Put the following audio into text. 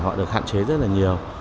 họ được hạn chế rất là nhiều